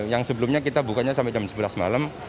yang sebelumnya kita bukanya sampai jam sebelas malam